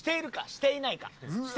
していない？